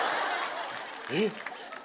「えっ！」。